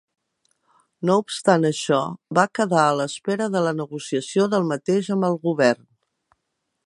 No obstant això, va quedar a l'espera de la negociació del mateix amb el govern.